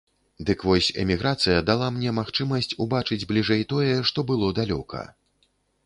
Дык вось, эміграцыя дала мне магчымасць убачыць бліжэй тое, што было далёка.